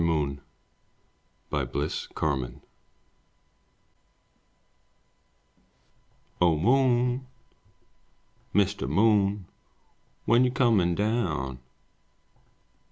MOON* Bliss Carman O Moon, Mr. Moon, When you comin' down?